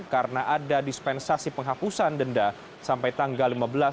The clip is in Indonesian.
karena ada dispensasi penghapusan denda sampai tanggal lima belas